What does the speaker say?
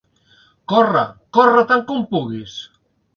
Corre, corre tant com puguis!